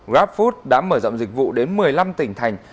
grabfood đã mở rộng dịch vụ đến một mươi năm tỉnh thành